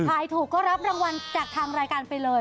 ขายถูกก็รับรางวัลจากทางรายการไปเลย